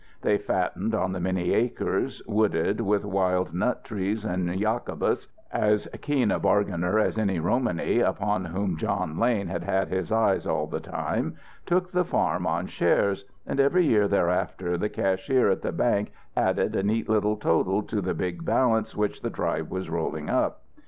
They fattened on the many acres, wooded with wild nut trees, and Jacobus as keen a bargainer as any Romany, upon whom John Lane had had his eye all the time took the farm on shares, and every year thereafter the cashier at the bank added a neat little total to the big balance which the tribe was rolling up.